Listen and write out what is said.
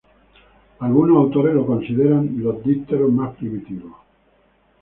Algunos autores los consideran los dípteros más primitivos.